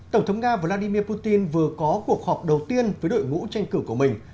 tổng thống nga vladimir putin vừa có cuộc họp đầu tiên với đội ngũ tranh cử của mình